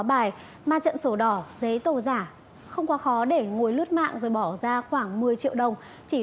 bài ma trận sổ đỏ giấy tờ giả không quá khó để ngồi lướt mạng rồi bỏ ra khoảng một mươi triệu đồng chỉ